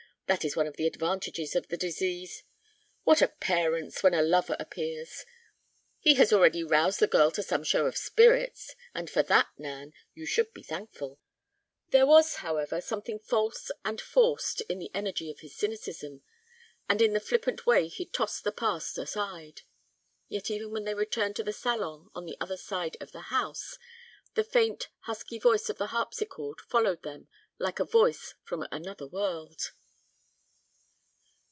That is one of the advantages of the disease. What are parents when a lover appears? He has already roused the girl to some show of spirits, and for that, Nan, you should be thankful." There was, however, something false and forced in the energy of his cynicism, and in the flippant way he tossed the past aside. Yet even when they returned to the salon on the other side of the house, the faint, husky voice of the harpsichord followed them like a voice from another world.